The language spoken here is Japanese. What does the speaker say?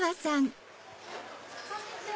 こんにちは！